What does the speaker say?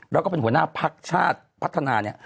แล้วก็เป็นหัวหน้าพักชาติพัฒนาเนี่ย